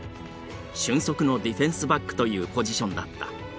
俊足のディフェンスバックというポジションだった。